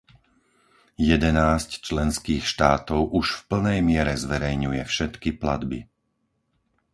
Jedenásť členských štátov už v plnej miere zverejňuje všetky platby.